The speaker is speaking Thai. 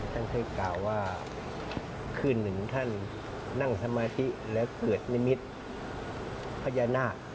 ท่านเคยกล่าวว่าคืนหนึ่งท่านนั่งสมาธิแล้วเกิดนิมิตรพญานาค